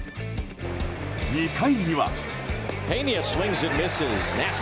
２回には。